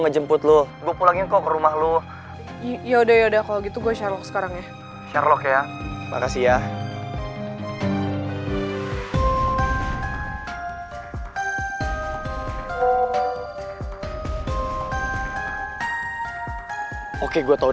kena bot bocor udah ketemu